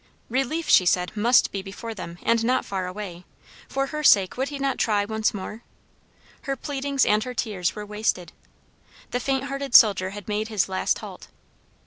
Relief, she said, must be before them, and not far away; for her sake, would he not try once more? Her pleadings and her tears were wasted. The faint hearted soldier had made his last halt.